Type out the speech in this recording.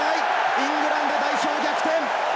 イングランド代表、逆転。